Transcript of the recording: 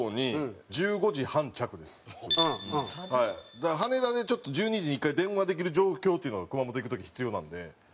だから羽田でちょっと１２時に１回電話できる状況というのが熊本行く時必要なので。